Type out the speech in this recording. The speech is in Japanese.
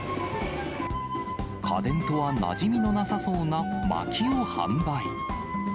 家電とはなじみのなさそうなまきを販売。